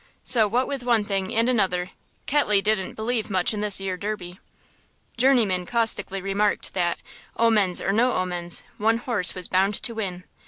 So what with one thing and another Ketley didn't believe much in this 'ere Derby. Journeyman caustically remarked that, omens or no omens, one horse was bound to win.